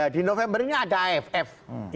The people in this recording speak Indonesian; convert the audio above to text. di november ini ada aff